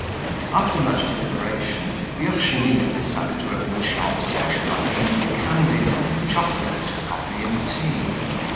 After much deliberation, Virginie had decided to open a shop specializing in candies, chocolate, coffee and tea.